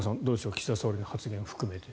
岸田総理の発言を含めて。